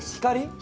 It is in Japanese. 光？